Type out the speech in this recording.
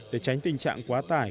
để tránh tình trạng quá tải